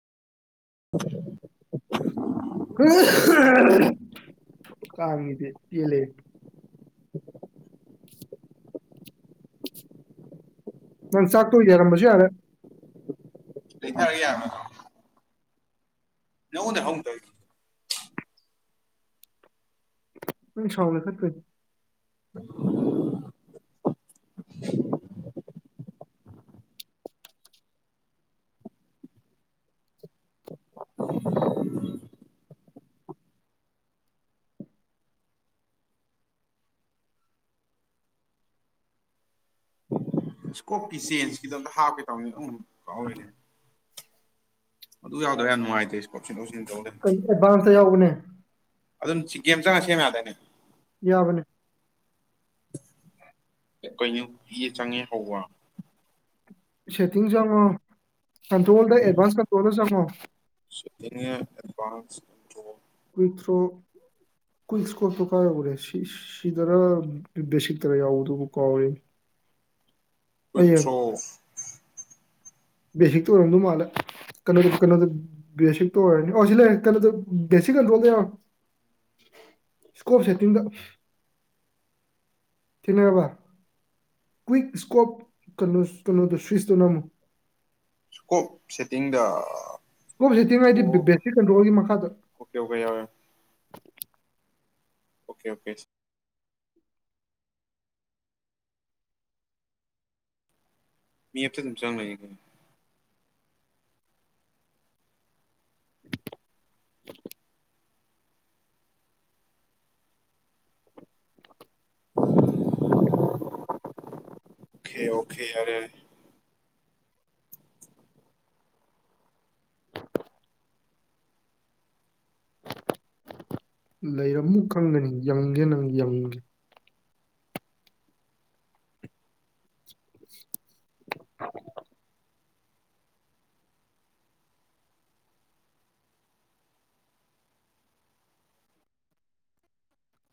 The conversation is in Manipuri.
ꯎ [unintelligible] ꯀꯥꯡꯁꯤꯗꯤ ꯄꯦꯜꯂꯦ ꯍꯦ [inaudible] ꯅꯪ ꯆꯥꯛꯇꯨ ꯌꯥꯔꯝꯕꯁꯨ ꯌꯥꯔꯦ ꯂꯩꯊꯔ ꯌꯥꯔꯕꯅꯠꯇ꯭ꯔꯣ ꯌꯥꯎꯅꯦ ꯍ ꯊꯥꯏ [unintelligible] ꯅꯪ ꯁꯥꯎꯟ ꯂꯩꯈꯠꯄꯩꯅꯤ [inaudible] ꯏꯁꯀꯣꯞꯀꯤ ꯆꯦꯟꯁꯀꯤꯗꯣ ꯑꯝꯇ ꯍꯥꯞꯀꯦ ꯇꯧꯅꯤ ꯑꯗꯨꯝ ꯀꯥꯎꯂꯩꯔꯦ ꯑꯗꯨ ꯌꯥꯎꯗ꯭ꯔ ꯌꯥꯝ ꯅꯨꯡꯉꯥꯏꯇꯦ ꯏꯁꯀꯣꯞ ꯁꯤꯟꯗꯣꯛ ꯁꯤꯟꯖꯤꯟ ꯇꯧꯂꯩꯔꯦ ꯑꯦꯗꯚꯥꯟꯁꯇ ꯌꯥꯎꯕꯅꯦ ꯑꯗꯨꯝ ꯒꯦꯝ ꯆꯪꯉ ꯁꯦꯝ ꯌꯥꯗꯥꯏꯅꯦ ꯌꯥꯕꯅꯦ ꯀꯩꯅꯣ ꯆꯪꯉꯦ ꯍꯧꯕ ꯁꯦꯠꯇꯤꯡ ꯆꯪꯉꯣ ꯀꯟꯇ꯭ꯔꯣꯜꯗ ꯑꯦꯗꯚꯥꯟꯁ ꯀꯟꯇ꯭ꯔꯣꯜꯗ ꯆꯪꯉꯣ ꯁꯦꯠꯇꯤꯡ ꯑꯦꯗꯚꯥꯟꯁ ꯀꯟꯇ꯭ꯔꯣꯜ ꯀꯨꯏꯊ꯭ꯔꯣ ꯀꯨꯋꯤꯛ ꯊꯔꯣ ꯀꯥꯏ ꯌꯧꯈꯔꯦ ꯁꯤꯗꯔ ꯕꯦꯁꯤꯛꯇꯔ ꯌꯥꯎꯕꯗꯨꯕꯨ ꯀꯥꯎꯔꯦ ꯑꯩ ꯀꯨꯋꯤꯛ ꯌꯦꯡ ꯊꯔꯣ ꯕꯦꯁꯤꯛꯇ ꯑꯣꯏꯔꯝꯗꯧ ꯃꯥꯜꯂꯦ ꯀꯩꯅꯣꯗ ꯀꯩꯅꯣꯗ ꯕꯦꯁꯛꯇ ꯑꯣꯏꯔꯅꯤ ꯑꯣ ꯁꯤꯂꯩꯔꯦ ꯕꯦꯁꯤꯛ ꯑꯟꯗꯔꯣꯗ ꯌꯥꯎꯔꯦ ꯏꯁꯀꯣꯞ ꯁꯦꯠꯇꯤꯡꯗ ꯊꯦꯡꯅꯔꯕ ꯀ꯭ꯋꯤꯛ ꯁ꯭ꯀꯣꯞ ꯀꯩꯅꯣ ꯀꯩꯅꯣꯗꯣ ꯁ꯭ꯋꯤꯁꯇꯣꯅꯝꯃꯣ [unintelligible] ꯁꯦꯇꯤꯡꯗꯥ [unintelligible] ꯁꯦꯇꯤꯡ ꯍꯥꯏꯗꯤ ꯕꯦ ꯕꯦꯠꯇ꯭ꯔꯤ ꯀꯟꯇ꯭ꯔꯣꯜꯒꯤ ꯃꯈꯥꯗ ꯑꯣꯀꯦ ꯑꯣꯀꯦ ꯌꯥꯎꯔꯦ ꯑꯣꯀꯦ ꯑꯣꯀꯦ ꯃꯦꯞꯇ ꯑꯗꯨꯝ ꯆꯪꯂꯩ [inaudible] ꯈꯦ ꯑꯣꯈꯦ ꯌꯥꯔꯦ ꯌꯥꯔꯦ ꯂꯩꯔꯝꯃꯨ ꯀꯪꯒꯅꯤ ꯌꯪꯒꯦ ꯅꯪ ꯌꯪꯒꯦ [unintelligible]